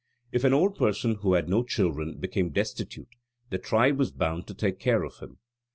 If an old person who had no children became destitute the tribe was bound to take care of him.